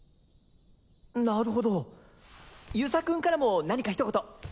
なるほど遊佐君からも何か一言。